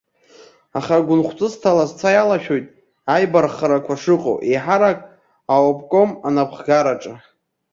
Аха гәынхәҵысҭала сцәа иалашәоит аибарххарақәа шыҟоу, еиҳарак аобком анапхгараҿы.